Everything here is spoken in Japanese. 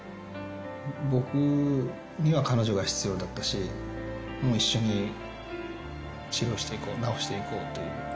僕には彼女が必要だったし、もう一緒に治療していこう、治していこうという。